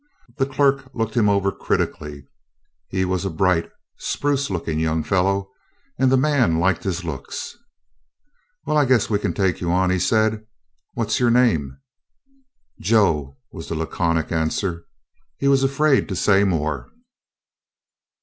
The clerk looked him over critically. He was a bright, spruce looking young fellow, and the man liked his looks. "Well, I guess we can take you on," he said. "What 's your name?" "Joe," was the laconic answer. He was afraid to say more.